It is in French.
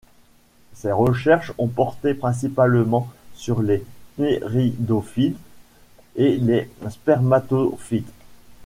Ses recherches ont porté principalement sur les Ptéridophytes et les Spermatophytes.